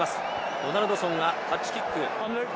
ドナルドソンがタッチキック。